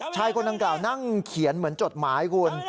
คนดังกล่าวนั่งเขียนเหมือนจดหมายคุณ